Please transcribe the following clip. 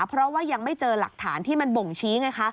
เพราะว่ายังไม่เจอหลักฐานที่มันบ่งชี้ไงคะ